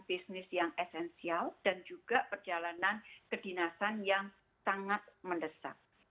bisnis yang esensial dan juga perjalanan kedinasan yang sangat mendesak